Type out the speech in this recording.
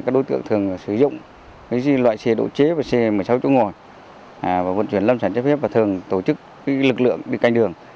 các đối tượng thường sử dụng loại xe độ chế và xe một mươi sáu chỗ ngồi và vận chuyển lâm sản trái phép và thường tổ chức lực lượng đi canh đường